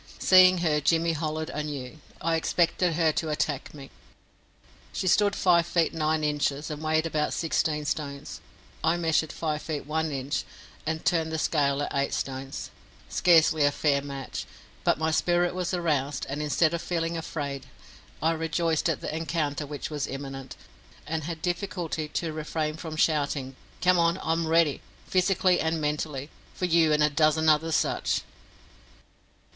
Seeing her, Jimmy hollered anew. I expected her to attack me. She stood five feet nine inches, and weighed about sixteen stones; I measured five feet one inch, and turned the scale at eight stones scarcely a fair match; but my spirit was aroused, and instead of feeling afraid, I rejoiced at the encounter which was imminent, and had difficulty to refrain from shouting "Come on! I'm ready, physically and mentally, for you and a dozen others such."